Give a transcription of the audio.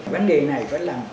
vấn đề này phải là